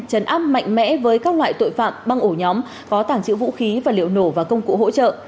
chấn áp mạnh mẽ với các loại tội phạm băng ổ nhóm có tàng trữ vũ khí và liệu nổ và công cụ hỗ trợ